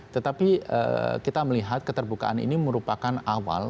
tetapi kita melihat keterbukaan ini merupakan awal